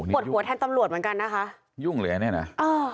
โอ้โหบ่ดหัวแทนตำรวจเหมือนกันนะคะยุ่งเหลียวเนี้ยอ่า